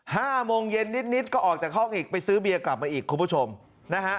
ห้าโมงเย็นนิดนิดก็ออกจากห้องอีกไปซื้อเบียร์กลับมาอีกคุณผู้ชมนะฮะ